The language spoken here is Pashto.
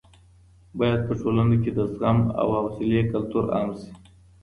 باید په ټولنه کې د زغم او حوصلې کلتور عام سي.